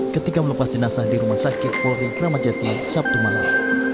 ketika melepas jenazah di rumah sakit polri kramajati sabtu malam